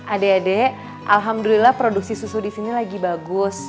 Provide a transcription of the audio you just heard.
adek adek alhamdulillah produksi susu disini lagi bagus